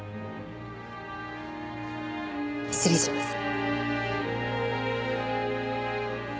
失礼します。